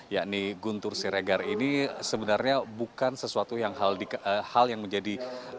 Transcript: yakni guntur siregar ini sebenarnya bukan sesuatu hal yang menjadi